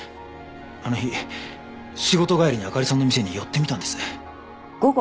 あの日仕事帰りに明里さんの店に寄ってみたんです。